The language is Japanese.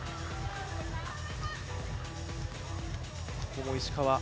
ここも石川。